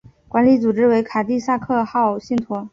管理组织为卡蒂萨克号信托。